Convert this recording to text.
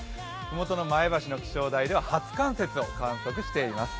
麓の前橋の気象台では初冠雪を観測しています。